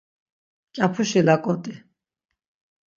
Mǩapuşi laǩoti.